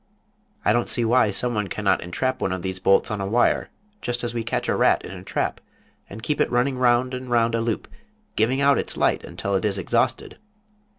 I don't see why some one cannot entrap one of these bolts on a wire, just as we catch a rat in a trap, and keep it running round and round a loop, giving out its light until it is exhausted....